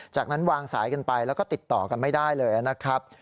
จากนั้นวางสายกันไปแล้วก็ติดต่อกันไม่ได้เลยนะครับ